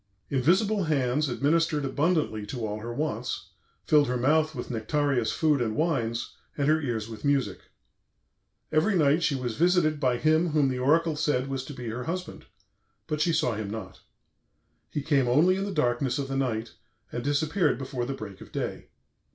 Invisible hands administered abundantly to all her wants, filled her mouth with nectareous food and wines, and her ears with music. Every night she was visited by him whom the oracle said was to be her husband, but she saw him not. He came only in the darkness of the night, and disappeared before the break of day.